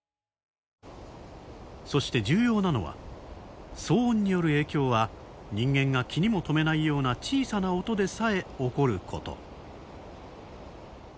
そして重要なのは騒音による影響は人間が気にも留めないような小さな音でさえ起こること。